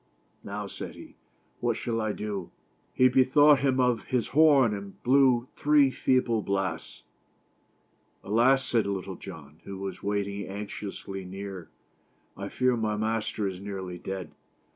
" Now" said he, "what shall I do?" lie bethought him of his horn, and blew three feeble blasts. " Alas!" said Little John, who was waiting anxiously near, " I fear my master is nearly dead.